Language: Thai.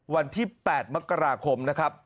วันที่๘มกราคมนะครับ